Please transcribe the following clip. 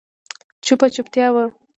چوپه چوپتیا وه.